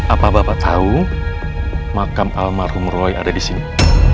apa bapak tahu makam almarhum roy ada di sini